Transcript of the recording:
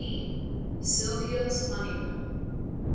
SYLVIA'S HONEYMOON.